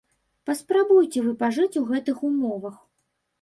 Паспрабуйце вы пажыць у гэтых умовах.